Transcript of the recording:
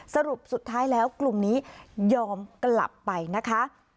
สรุปสุดท้ายแล้วกลุ่มนี้ยอมกลับไปนะคะ